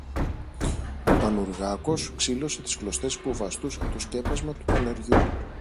Ο Πανουργάκος ξήλωσε τις κλωστές που βαστούσαν το σκέπασμα του πανεριού